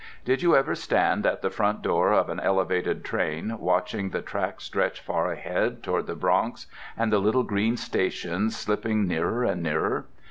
Did you ever stand at the front door of an Elevated train, watching the track stretch far ahead toward the Bronx, and the little green stations slipping nearer and nearer?